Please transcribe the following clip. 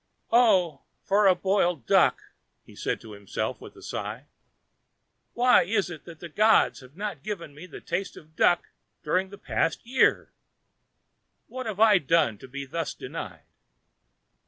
"Oh, for a boiled duck!" he said to himself with a sigh. "Why is it that the gods have not given me a taste of duck during the past year? What have I done to be thus denied?"